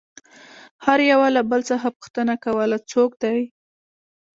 هر يوه له بل څخه پوښتنه كوله څوك دى؟